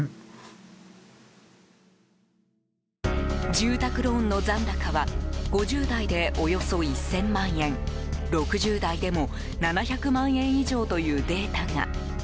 住宅ローンの残高は５０代でおよそ１０００万円６０代でも７００万円以上というデータが。